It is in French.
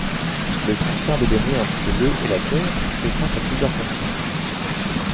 Le transfert des données entre le et la Terre fait face à plusieurs contraintes.